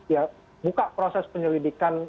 ya buka proses penyelidikan